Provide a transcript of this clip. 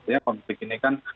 ya konflik ini kan